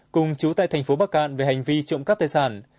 cùng chú tại thành phố bắc cạn về hành vi trộm cắp tài sản